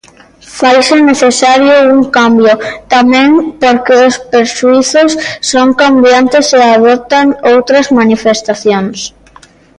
Faise necesario un cambio, tamén, porque os prexuízos son cambiantes e adoptan outras manifestacións.